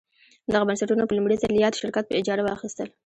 دغه بنسټونه په لومړي ځل یاد شرکت په اجاره واخیستل.